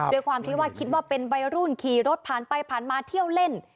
ด้วยความที่ว่าคิดว่าเป็นวัยรุ่นขี่รถผ่านไปผ่านมาเที่ยวเล่น